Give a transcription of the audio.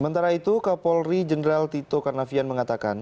sementara itu kapolri jenderal tito karnavian mengatakan